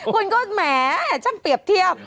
คุณก็แหมช่างเปรียบเทียบ